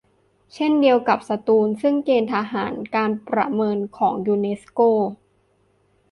เช่นเดียวกับสตูล ซึ่งเกณฑ์การประเมินของยูเนสโก